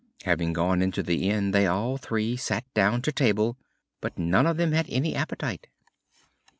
Having gone into the inn they all three sat down to table, but none of them had any appetite.